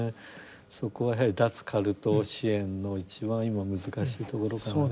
そこはやはり脱カルト支援の一番今難しいところかなと。